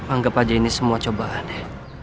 anggap aja ini semua cobaan ya